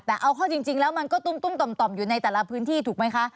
แต่เอาข้อจริงแล้วมันก็ตุ้มต่อมอยู่ในแต่ละพื้นที่ถูกไหมคะ